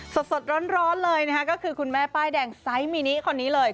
สดร้อนเลยนะคะก็คือคุณแม่ป้ายแดงไซส์มินิคนนี้เลย